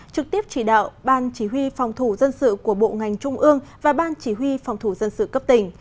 trực tiếp chỉ đạo ban chỉ huy phòng thủ dân sự của bộ ngành trung ương và ban chỉ huy phòng thủ dân sự cấp tỉnh